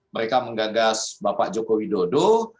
mereka menggagas bapak joko widodo